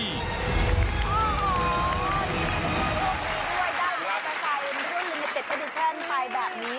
ช่วยด้านรอบราชาเอ็มช่วยยืนในเต็ดกระดูกแท่นภายแบบนี้